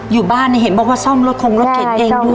อยู่บ้านเนี่ยเห็นบอกว่าซ่อมรถคงรถเข็นเองด้วย